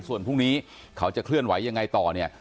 ส่วนพรุ่งนี้เขาจะเคลื่อนไหวยังไงต่อเนี่ย